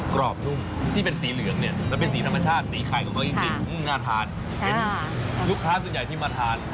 กรอบนุ่มที่เป็นสีเหลืองเนี่ยแล้วเป็นสีธรรมชาติสีไข่ของเขาจริงน่าทาน